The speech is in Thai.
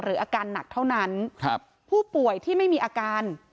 อาการหนักเท่านั้นครับผู้ป่วยที่ไม่มีอาการ